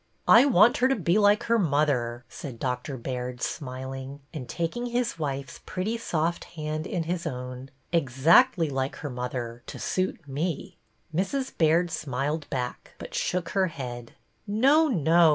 I want her to be like her mother," said Doctor Baird, smiling, and taking his wife's pretty soft hand in his own, — exactly like her mother, to suit me." Mrs. Baird smiled back, but shook her head. No, no